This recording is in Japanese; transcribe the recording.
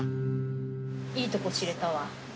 いいとこ知れたわ。